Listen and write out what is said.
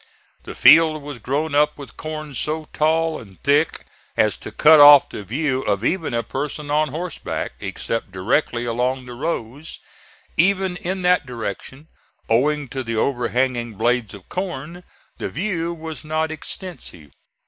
The field was grown up with corn so tall and thick as to cut off the view of even a person on horseback, except directly along the rows. Even in that direction, owing to the overhanging blades of corn, the view was not extensive.